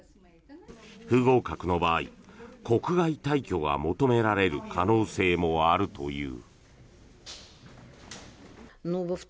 不合格の場合、国外退去が求められる可能性もあるという。